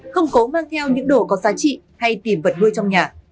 không cố mang theo những đồ có giá trị hay tìm vật nuôi trong nhà